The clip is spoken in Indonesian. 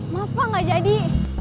maaf pak gak jadi